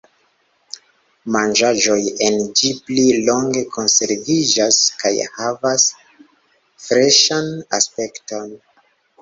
Manĝaĵoj en ĝi pli longe konserviĝas kaj havas freŝan aspekton.